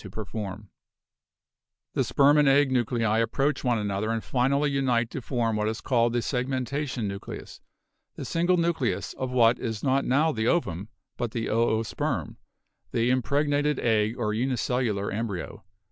246 BIOLOGY The sperm and egg nuclei approach one another and final ly unite to form what is called the segmentation nucleus, the single nucleus of what is not now the ovum, but the oosperm — the impregnated egg or unicellular embryo.